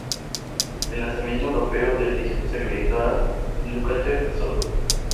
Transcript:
El lanzamiento europeo del disco se acreditó a Lukather solo.